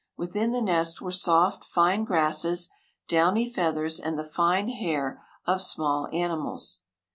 Within the nest were soft, fine grasses, downy feathers, and the fine hair of small animals.